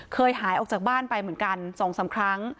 เคยหายออกจากบ้านไปเหมือนกัน๒๓ครั้ง